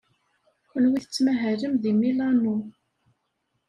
Kenwi tettmahalem deg Milano.